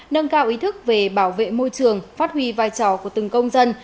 nâng cao ý thức về bảo vệ môi trường phát huy vai trò của từng công dân